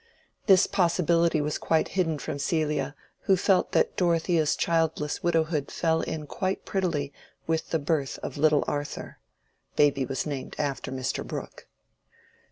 This possibility was quite hidden from Celia, who felt that Dorothea's childless widowhood fell in quite prettily with the birth of little Arthur (baby was named after Mr. Brooke).